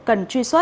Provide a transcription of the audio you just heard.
cần truy xuất